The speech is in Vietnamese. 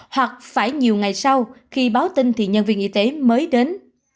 hoặc phải nhiều ngày sau khi báo tin thì nhân viên y tế mới đến